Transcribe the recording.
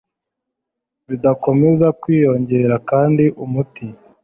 bidakomeza kwiyongera, kandi umuti